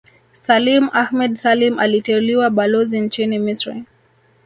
Salim Ahmed Salim aliteuliwa Balozi nchini Misri